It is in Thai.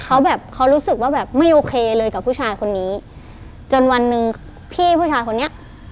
เขาแบบเขารู้สึกว่าแบบไม่โอเคเลยกับผู้ชายคนนี้จนวันหนึ่งพี่ผู้ชายคนนี้